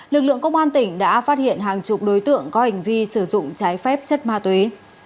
lực lượng công an tỉnh đã phát hiện hàng chục đối tượng có hành vi sử dụng trái phép chất ma túy